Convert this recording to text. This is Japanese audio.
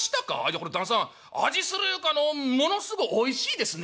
これ旦さん味するいうかあのものすごうおいしいですね」。